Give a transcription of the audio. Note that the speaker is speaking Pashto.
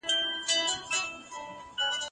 جنګونه د بې ګناه خلکو وینه تویوي.